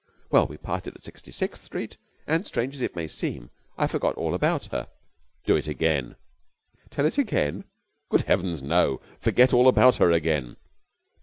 Well, we parted at Sixty sixth Street, and, strange as it may seem, I forgot all about her." "Do it again!" "Tell it again?" "Good heavens, no! Forget all about her again."